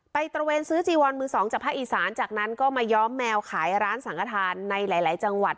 ตระเวนซื้อจีวอนมือสองจากภาคอีสานจากนั้นก็มาย้อมแมวขายร้านสังขทานในหลายจังหวัด